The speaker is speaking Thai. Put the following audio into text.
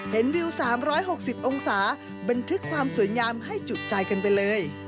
วิว๓๖๐องศาบันทึกความสวยงามให้จุใจกันไปเลย